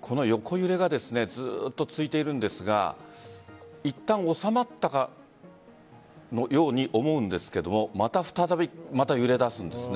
この横揺れがずっと続いているんですがいったん収まったかのように思うんですがまた再び揺れ出すんです。